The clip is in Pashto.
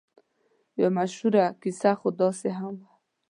یوه مشهوره کیسه خو داسې هم وه.